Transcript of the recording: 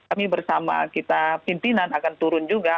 kami bersama kita pimpinan akan turun juga